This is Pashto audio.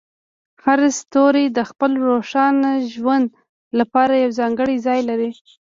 هر ستوری د خپل روښانه ژوند لپاره یو ځانګړی ځای لري.